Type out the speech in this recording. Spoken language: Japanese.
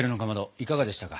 いかがでしたか？